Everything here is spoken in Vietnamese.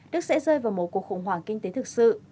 đức sẽ rơi vào một cuộc khủng hoảng kinh tế thực sự